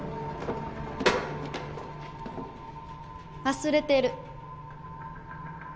忘れてる。